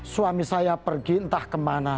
suami saya pergi entah kemana